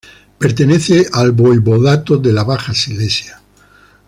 Pertenece al voivodato de la Baja Silesia.